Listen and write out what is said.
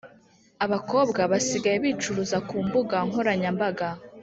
Abakobwa basigaye bicuruza kumbuga nkoranya mbaga